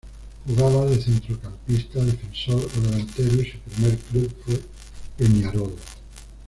Jugaba de centrocampista, defensor o delantero y su primer club fue Peñarol.